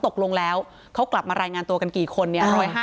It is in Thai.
ตกลงแล้วเขากลับมารายงานตัวกันกี่คนเนี่ย